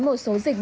một số dịch vụ